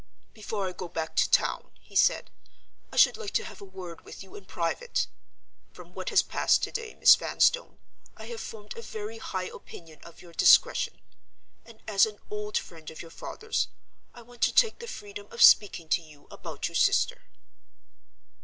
"Before I go back to town," he said, "I should like to have a word with you in private. From what has passed today, Miss Vanstone, I have formed a very high opinion of your discretion; and, as an old friend of your father's, I want to take the freedom of speaking to you about your sister."